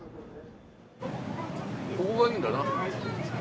ここがいいんだよな。